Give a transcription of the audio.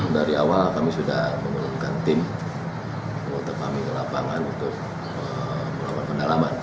dari awal kami sudah mengungkapkan tim untuk memiliki lapangan untuk melawan pendalaman